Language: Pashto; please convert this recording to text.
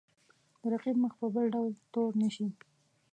د رقیب مخ په بل ډول تور نه شي.